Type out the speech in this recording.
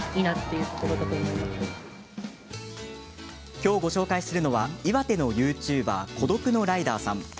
きょう、ご紹介するのは岩手のＹｏｕＴｕｂｅｒ孤独のライダーさん。